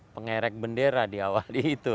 pengerek bendera di awal itu